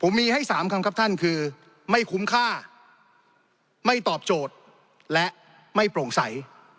มีให้๓คำครับท่านคือไม่คุ้มค่าไม่ตอบโจทย์และไม่โปร่งใส